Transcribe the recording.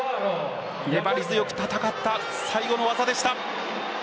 粘り強く戦った最後の技でした。